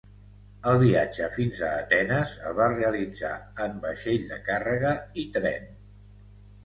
El viatge fins a Atenes el va realitzar en vaixell de càrrega i tren.